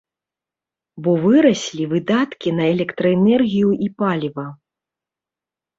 Бо выраслі выдаткі на электраэнергію і паліва.